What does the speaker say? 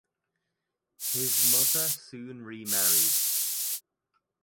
His mother soon remarried.